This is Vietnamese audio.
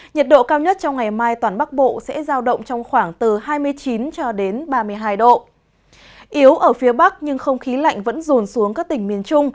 nhiệt độ cao nhất trong ngày mai toàn bắc bộ sẽ giao động trong khoảng từ hai mươi chín